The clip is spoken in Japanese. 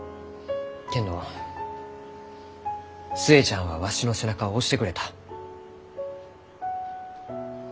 けんど寿恵ちゃんはわしの背中を押してくれた。